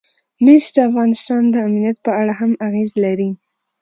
مس د افغانستان د امنیت په اړه هم اغېز لري.